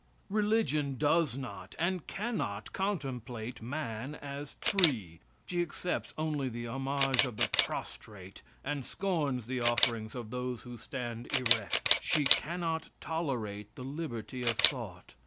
Religion does not and cannot contemplate man as free. She accepts only the homage of the prostrate, and scorns the offerings of those who stand erect. She cannot tolerate the liberty of thought.